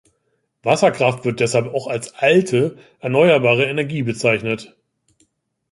Wasserkraft wird deshalb auch als "alte" erneuerbare Energie bezeichnet.